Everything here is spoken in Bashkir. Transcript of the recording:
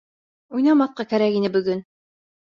Уйнамаҫҡа кәрәк ине бөгөн!